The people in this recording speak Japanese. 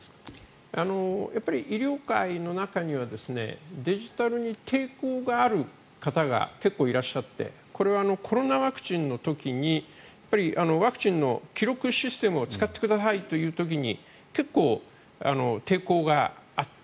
医療界の中にはデジタルに抵抗がある方が結構いらっしゃってこれはコロナワクチンの時にワクチンの記録システムを使ってくださいという時に結構、抵抗があって。